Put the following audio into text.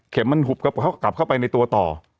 มันหุบกลับเข้าไปในตัวต่อ